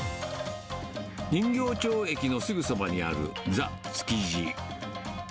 人形町駅のすぐそばにあるザ・築地。